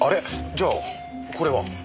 じゃあこれは？